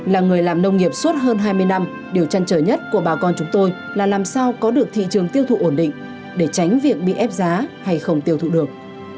là người làm nông nghiệp suốt hơn hai mươi năm điều chăn trở nhất của bà con chúng tôi là làm sao có được thị trường tiêu thụ ổn định để tránh việc bị ép giá hay không tiêu thụ được